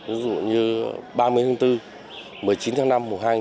ví dụ như ba mươi tháng bốn một mươi chín tháng năm mùa hai tháng chín